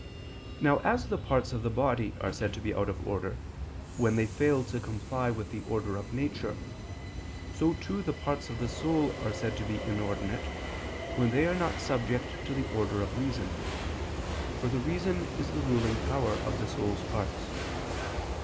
Now as the parts of the body are said to be out of order, when they fail to comply with the order of nature, so too the parts of the soul are said to be inordinate, when they are not subject to the order of reason, for the reason is the ruling power of the soul's parts.